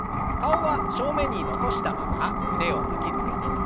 顔は正面に残したまま腕を巻きつけて。